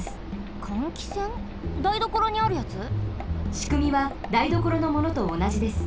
しくみはだいどころのものとおなじです。